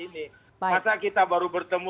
masa kita baru bertemu